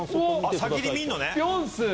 先に見るのね？